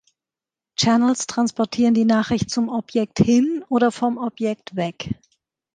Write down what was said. Channels transportieren die Nachricht zum Objekt hin oder vom Objekt weg.